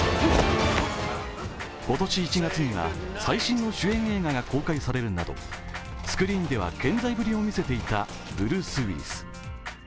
今年１月には最新の主演映画が公開されるなどスクリーンでは健在ぶりを見せていたブルース・ウィリス。